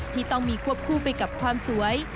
ที่ต้องมีควบคู่ไปกับความสวย